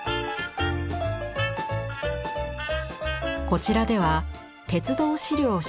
こちらでは鉄道資料蒐集